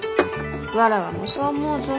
わらわもそう思うぞ。